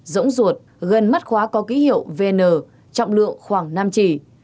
rỗng ruột gần mắt khóa có ký hiệu vn trọng lượng khoảng năm chỉ